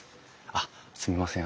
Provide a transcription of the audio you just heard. あっすみません